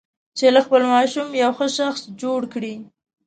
چې له خپل ماشوم یو ښه شخص جوړ کړي.